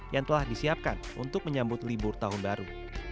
yang telah disiapkan untuk menyambut libur tahun baru